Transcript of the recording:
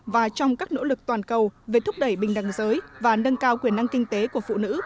và trong các nỗ lực toàn cầu về thúc đẩy bình đẳng giới và nâng cao quyền năng kinh tế của phụ nữ